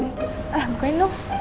eh bukain dong